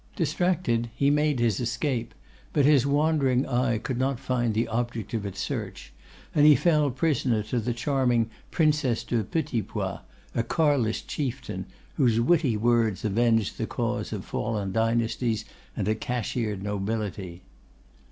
Distracted, he made his escape; but his wandering eye could not find the object of its search; and he fell prisoner to the charming Princess de Petitpoix, a Carlist chieftain, whose witty words avenged the cause of fallen dynasties and a cashiered nobility.